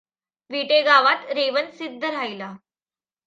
विटे गांवांत रेवणसिद्ध राहिला.